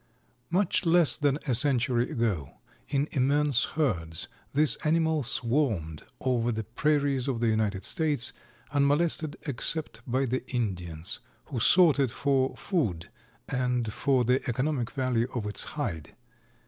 Much less than a century ago, in immense herds, this animal swarmed over the prairies of the United States, unmolested except by the Indians who sought it for food and for the economic value of its hide.